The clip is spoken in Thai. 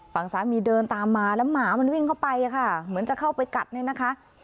ฝั่งสามีเดินตามมาแล้วหมามันวิ่งเข้าไปค่ะเหมือนจะเข้าไปกัดเนี่ยนะคะ